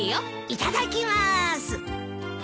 いただきまーす。